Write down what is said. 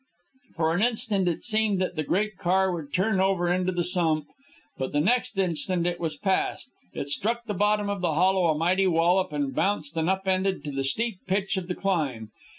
For an instant it seemed that the great car would turn over into the sump, but the next instant it was past. It struck the bottom of the hollow a mighty wallop, and bounced and upended to the steep pitch of the climb.